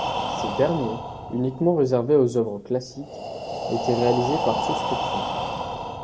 Ces derniers, uniquement réservés aux œuvres classiques, étaient réalisés par souscription.